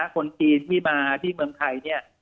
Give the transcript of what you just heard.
คนจีนที่มาที่เมืองไทยเนี่ย